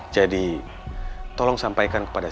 jadi tolong sampaikan kepada